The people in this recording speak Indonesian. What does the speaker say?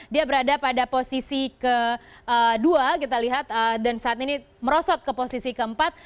dia berada pada posisi kedua kita lihat dan saat ini merosot ke posisi keempat